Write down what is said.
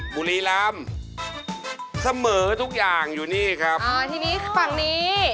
กรรมสองขลาพูเก็ตกันไก่